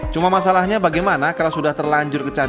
cuma masalahnya bagaimana kalau sudah terlanjur kecanduan